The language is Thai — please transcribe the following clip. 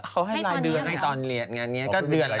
แชะหน่อยแชะ